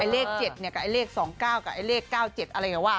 เลข๗กับเลข๒๙กับเลข๙๗อะไรกันว่า